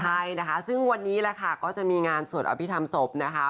ใช่นะคะซึ่งวันนี้แหละค่ะก็จะมีงานสวดอภิษฐรรมศพนะคะ